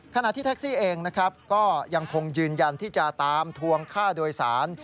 ขณะที่แท็กซี่เองนะครับก็ยังคงยืนยันที่จะตามทวงค่าโดยสาร